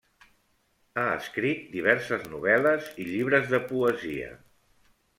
Ha escrit diverses novel·les i llibres de poesia.